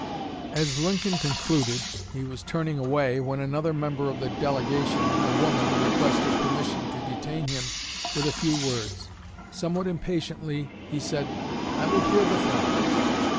As Lincoln concluded, he was turning away, when another member of the delegation, a woman, requested permission to detain him with a few words. Somewhat impatiently he said, "I will hear the Friend."